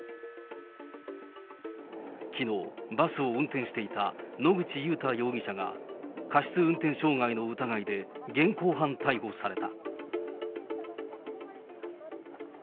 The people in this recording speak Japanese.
きのう、バスを運転していた野口祐太容疑者が、過失運転傷害の疑いで現行犯逮捕された。